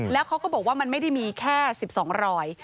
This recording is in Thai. แล้วเขาก็บอกว่ามันไม่ได้มีแค่๑๒รอย